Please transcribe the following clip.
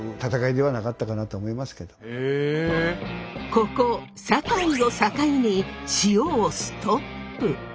ここ境を境に塩をストップ。